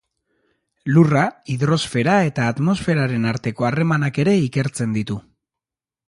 Lurra, hidrosfera eta atmosferaren arteko harremanak ere ikertzen ditu.